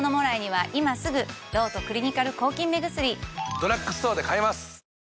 ドラッグストアで買えます！